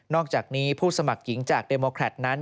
อกจากนี้ผู้สมัครหญิงจากเดโมแครตนั้น